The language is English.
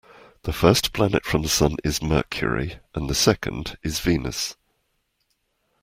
The first planet from the sun is Mercury, and the second is Venus